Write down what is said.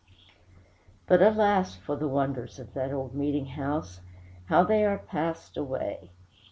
But alas for the wonders of that old meeting house, how they are passed away!